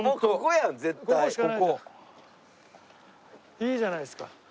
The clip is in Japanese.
いいじゃないですか。